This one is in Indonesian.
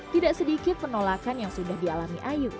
tidak sedikit penolakan yang sudah dialami ayu